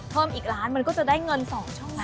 เพิ่มอีกล้านมันก็จะได้เงิน๒ช่องละ